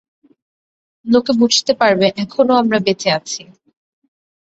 লোকে বুঝতে পারবে এখনো আমরা বেঁচে আছি।